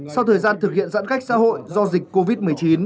sau thời gian thực hiện giãn cách xã hội do dịch covid một mươi chín